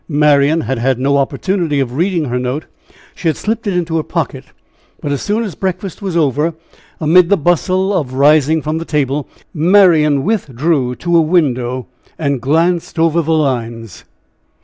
Marian had had no opportunity of reading her note she had slipped it into her pocket But as soon as breakfast was over, amid the bustle of rising from the table, Marian withdrew to a window and glanced over the lines.